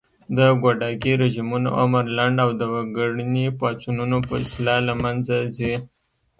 د ګوډاګي رژيمونه عمر لنډ او د وګړني پاڅونونو په وسیله له منځه ځي